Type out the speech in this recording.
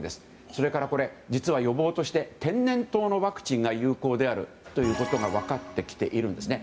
それから、実は予防として天然痘のワクチンが有効であるということが分かってきているんですね。